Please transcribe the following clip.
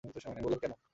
আমি বললাম, কেন?